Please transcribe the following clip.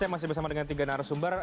saya masih bersama dengan tiga narasumber